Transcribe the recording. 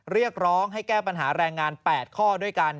เรียกร้องให้แก้ปัญหาแรงงาน๘ข้อด้วยกัน